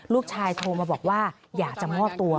โทรมาบอกว่าอยากจะมอบตัว